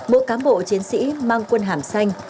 mỗi cám bộ chiến sĩ mang quân hàm xanh